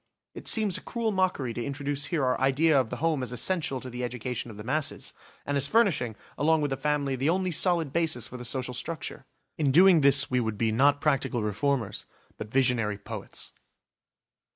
It seems a cruel mockery to introduce here our idea of the home as essential to the education of the masses, and as furnishing, along with the family, the only solid basis for the social structure. In doing this we would be not practical reformers but visionary poets.